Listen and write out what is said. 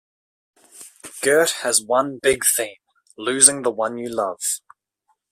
Gert has one big theme: losing the one you love.